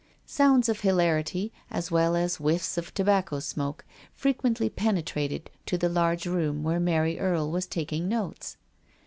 Sounds of hilarity^ as well as whiffs of tobacco smoke, frequently pene trated to the large room where Mary Erie was taking notes.